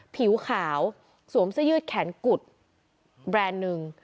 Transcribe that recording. ผิวขาวสวมเสื้อยืดแขนกุดแบรนด์หนึ่ง